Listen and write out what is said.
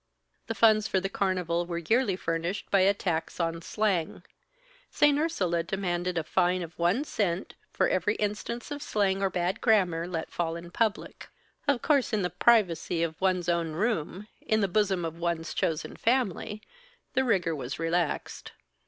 The funds for the carnival were yearly furnished by a tax on slang. St. Ursula demanded a fine of one cent for every instance of slang or bad grammar let fall in public. Of course, in the privacy of one's own room, in the bosom of one's chosen family, the rigor was relaxed.